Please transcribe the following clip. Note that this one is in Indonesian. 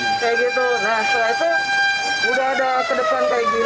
nah setelah itu udah ada kedepan kayak gini